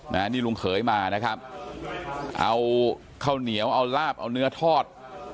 นี่ลุงเขยมานะครับเอาข้าวเหนียวเอาลาบเอาเนื้อทอด